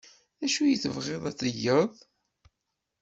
D acu i tebɣiḍ ad teg?